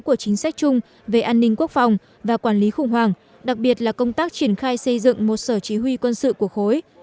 của chính sách chung về an ninh quốc phòng và quản lý khủng hoảng đặc biệt là công tác triển khai xây dựng một sở chỉ huy quân sự của khối